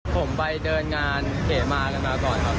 ผมไปเดินงานเขมากันมาก่อนครับ